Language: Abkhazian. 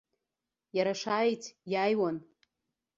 Иара шааиц иааиуан.